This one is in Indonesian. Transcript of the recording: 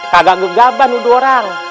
kagak gegaban lo dua orang